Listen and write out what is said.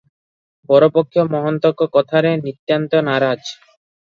ବରପକ୍ଷ ମହନ୍ତଙ୍କ କଥାରେ ନିତାନ୍ତ ନାରାଜ ।